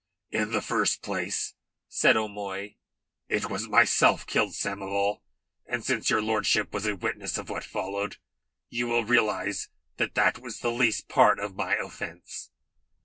"In the first place," said O'Moy, "it was myself killed Samoval, and since your lordship was a witness of what followed, you will realise that that was the least part of my offence."